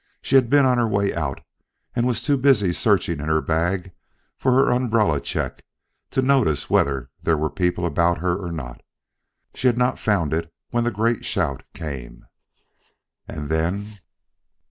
She had been on her way out, and was too busy searching in her bag for her umbrella check to notice whether there were people about her or not. She had not found it when the great shout came. "And then?"